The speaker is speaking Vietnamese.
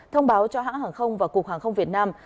thông báo cho hãng hàng không và cục hàng không việt nam